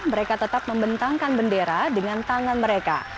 mereka tetap membentangkan bendera dengan tangan mereka